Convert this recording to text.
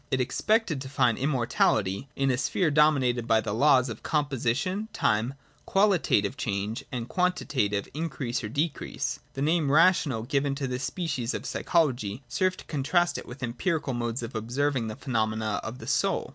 It expected to find immortahty in a sphere dominated by the laws of com position, time, qualitative change, and quantitative increase or decrease. The name ' rational,' given to this species of psychology, served to contrast it with empirical modes of observing 34 ] RATIONAL PSYCHOLOGY. 69 the phenomena of the soul.